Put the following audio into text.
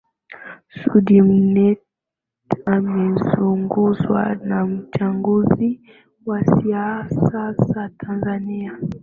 Sudi Mnette amezungumza na mchambuzi wa siasa za Tanzania